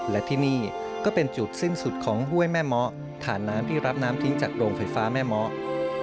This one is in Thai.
และที่นี่ก็เป็นจุดสิ้นสุดของห้วยแม่เมาะฐานน้ำที่รับน้ำทิ้งจากโรงไฟฟ้าแม่เมาะ